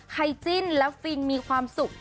ใครจิ้นและฟินมีความสุข